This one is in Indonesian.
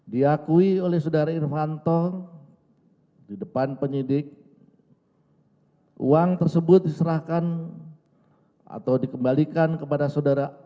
diakui oleh saudara irvanto di depan penyidik uang tersebut diserahkan atau dikembalikan kepada saudara